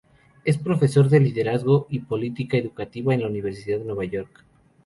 Es profesor de liderazgo y política educativa en la Universidad de Nueva York.